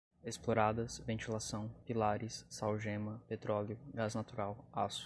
exploradas, ventilação, pilares, sal-gema, petróleo, gás natural, aço